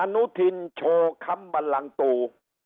อนุทินโชว์คำบันลังตู